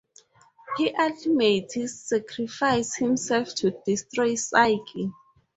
He ultimately sacrifices himself to destroy Saiki.